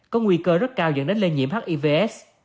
có nguy cơ rất cao dẫn đến lây nhiễm hiv s